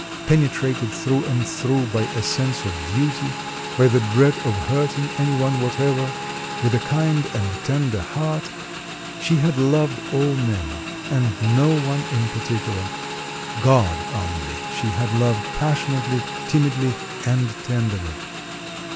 Penetrated through and through by a sense of duty, by the dread of hurting any one whatever, with a kind and tender heart, she had loved all men, and no one in particular; God only she had loved passionately, timidly, and tenderly.